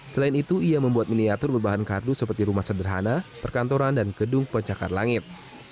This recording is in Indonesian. selain itu ia membuat miniatur berbahan kardus seperti rumah sederhana perkantoran dan gedung pencakar langit